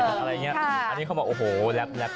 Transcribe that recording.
อะไรอย่างนี้อันนี้เข้ามาโอ้โหแร็ป